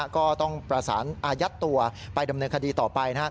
ก็ต้องประสานอายัดตัวไปดำเนินคดีต่อไป